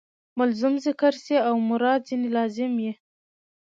ملزوم ذکر سي او مراد ځني لازم يي.